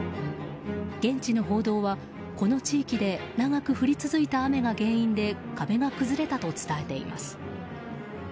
現地の報道は、この地域で長く降り続いた雨が原因で壁が崩れたと伝えています。